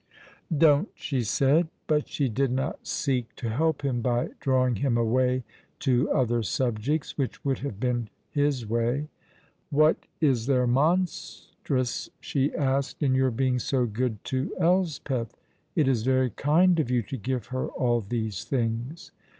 "Don't," she said; but she did not seek to help him by drawing him away to other subjects, which would have been his way. "What is there monstrous," she asked, "in your being so good to Elspeth? It is very kind of you to give her all these things."